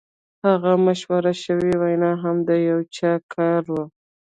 هغه مشهوره شوې وینا هم د یو چا کار و